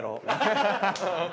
ハハハハ！